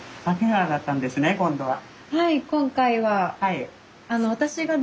はい今回は。